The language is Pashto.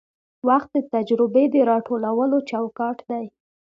وخت د تجربې د راټولولو چوکاټ دی.